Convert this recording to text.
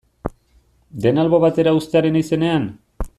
Dena albo batera uztearen izenean?